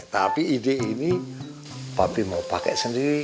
tapi ide ini pabrik mau pakai sendiri